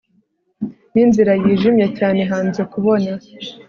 ninzira yijimye cyane hanze kubona